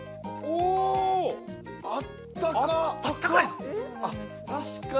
お、あったか！